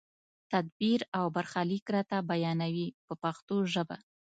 تدبیر او برخلیک راته بیانوي په پښتو ژبه.